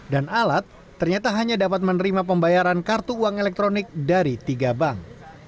dan alat ternyata hanya dapat menerima pembayaran kartu uang elektronik dari tiga bank